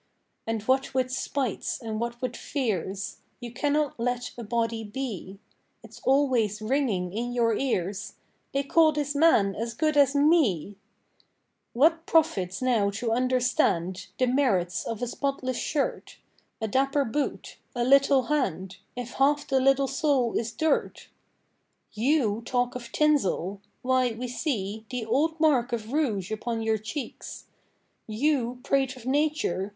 And what with spites and what with fears, You cannot let a body be: It's always ringing in your ears, 'They call this man as good as me.' What profits now to understand The merits of a spotless shirt A dapper boot a little hand If half the little soul is dirt? You talk of tinsel! why we see The old mark of rouge upon your cheeks. You prate of nature!